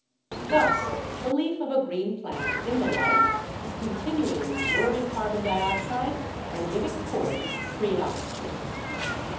Thus the leaf of a green plant in the light is continually absorbing carbon dioxide and giving forth free oxygen.